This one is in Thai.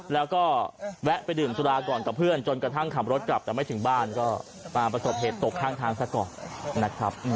แล้วก็แวะไปดื่มสุราก่อนกับเพื่อนจนกระทั่งขับรถกลับแต่ไม่ถึงบ้านก็มาประสบเหตุตกข้างทางซะก่อนนะครับ